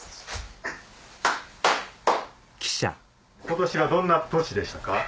今年はどんな年でしたか？